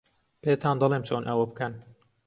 پێتان دەڵێم چۆن ئەوە بکەن.